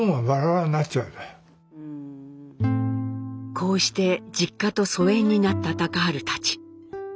こうして実家と疎遠になった隆治たち。